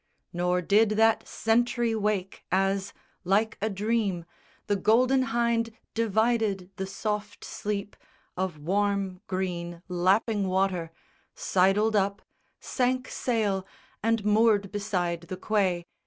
Nor did that sentry wake as, like a dream, The Golden Hynde divided the soft sleep Of warm green lapping water, sidled up, Sank sail, and moored beside the quay.